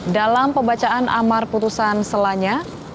dalam pembacaan amar putusan selanya